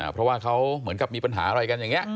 เพราะว่าเขาเหมือนกับมีปัญหาอะไรกันอย่างนี้